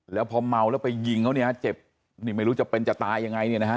แล้วพอเมาแล้วไปยิงเขาเนี่ยเจ็บนี่ไม่รู้จะเป็นจะตายยังไงเนี่ยนะฮะ